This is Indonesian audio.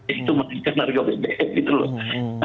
itu menaikkan harga bbm gitu loh